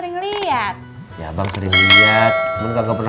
untuk pak sambil mesin yang kedua